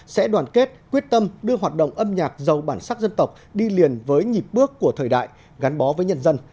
sẽ đoàn kết quyết tâm đưa hoạt động âm nhạc giàu bản sắc dân tộc đi liền với nhịp bước của thời đại gắn bó với nhân dân